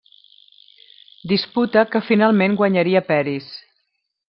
Disputa que finalment guanyaria Peris.